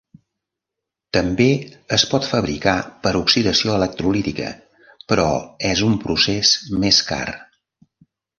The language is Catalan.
També es pot fabricar per oxidació electrolítica, però és un procés més car.